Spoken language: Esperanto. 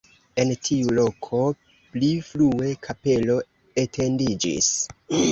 En tiu loko pli frue kapelo etendiĝis.